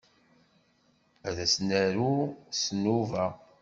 As-d ad naru s nnuba.